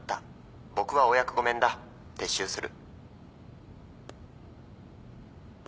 僕はお役御免だ。撤収する